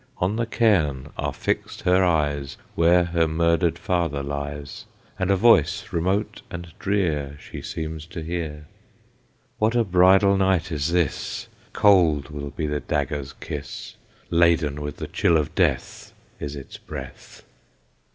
On the cairn are fixed her eyes Where her murdered father lies, And a voice remote and drear She seems to hear. What a bridal night is this! Cold will be the dagger's kiss; Laden with the chill of death Is its breath.